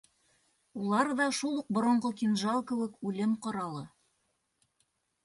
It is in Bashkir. Улар ҙа, шул уҡ боронғо кинжал кеүек, үлем ҡоралы.